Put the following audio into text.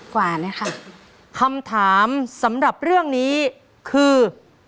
กว่าเลยค่ะคำถามสำหรับเรื่องนี้คือ